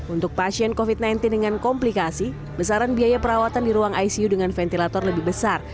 untuk pasien covid sembilan belas dengan komplikasi besaran biaya perawatan di ruang icu dengan ventilator lebih besar